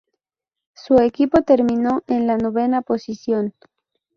Su equipo terminó en la novena posición.